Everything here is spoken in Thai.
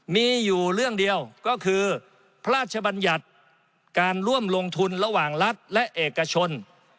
มีอยู่เรื่องเดียวก็คือพระราชบัญญัติการร่วมลงทุนระหว่างรัฐและเอกชน